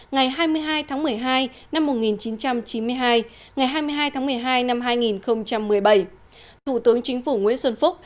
ngày hai mươi hai tháng một mươi hai năm một nghìn chín trăm chín mươi hai ngày hai mươi hai tháng một mươi hai năm hai nghìn một mươi bảy thủ tướng chính phủ nguyễn xuân phúc